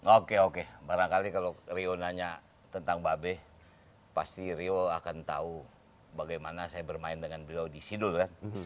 oke oke barangkali kalau rio nanya tentang babe pasti rio akan tahu bagaimana saya bermain dengan beliau di sidul kan